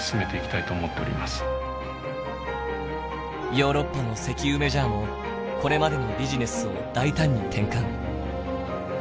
ヨーロッパの石油メジャーもこれまでのビジネスを大胆に転換。